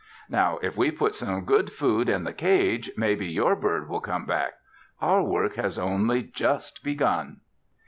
Now, if we put some good food in the cage, maybe your bird will come back. Our work has only just begun."